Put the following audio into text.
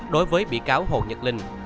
đối với vị cáo hồ nhật linh